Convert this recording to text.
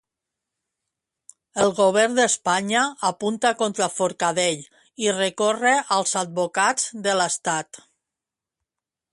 El govern d'Espanya apunta contra Forcadell i recorre als advocats de l'estat.